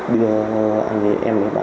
và họ đi theo mình lâu dài